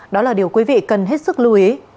đó là điều quý vị cần hết sức lưu ý